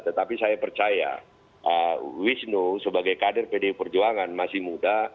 tetapi saya percaya wisnu sebagai kader pdi perjuangan masih muda